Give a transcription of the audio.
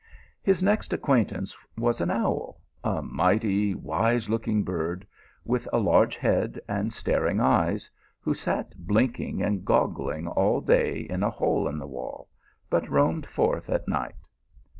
His next acquaintance was an owl, a mighty wise looking bird, with a large head and staring eyes, who sat blinking and goggling all day in a hole in the wall, but roamed forth at night.